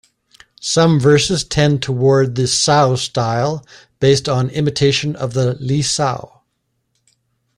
Some verses tend towards the "sao" style, based on imitation of the "Li sao".